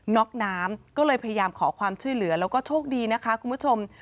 ็อกน้ำก็เลยพยายามขอความช่วยเหลือแล้วก็โชคดีนะคะคุณผู้ชม